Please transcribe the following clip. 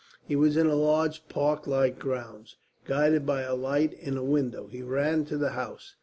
He was in large park like grounds. Guided by a light in a window, he ran to the house.